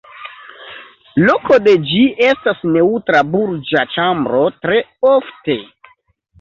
Loko de ĝi estas neŭtra burĝa ĉambro tre ofte.